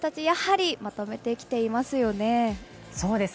やはり、まとめてきていますよね。